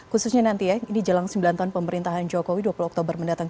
khususnya nanti ya ini jelang sembilan tahun pemerintahan jokowi dua puluh oktober mendatang